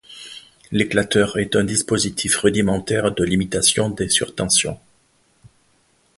L'éclateur est un dispositif rudimentaire de limitation des surtensions.